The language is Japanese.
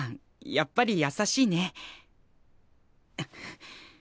やっぱりやさしいね。